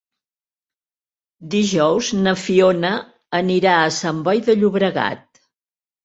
Dijous na Fiona anirà a Sant Boi de Llobregat.